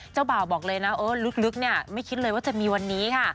เจ้าบ่าวบอกเลยนะเออลึกเนี่ยไม่คิดเลยว่าจะมีวันนี้ค่ะ